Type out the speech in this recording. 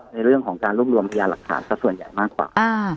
ในเรื่องของการร่วมรวมพยายามหลักฐานก็ส่วนใหญ่มากกว่าอ่า